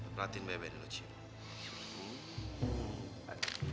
perhatiin bayar bayarin lu cip